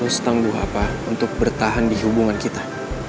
lo setangguh apa untuk bertahan di hubungan kita